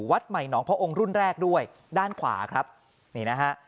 วัดใหม่หนองพระองค์รุ่นแรกด้วยด้านขวาครับนี่นะฮะ